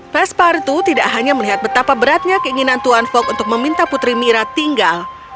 pespartu tidak hanya melihat betapa beratnya keinginan tuan fok untuk meminta putri mira tinggal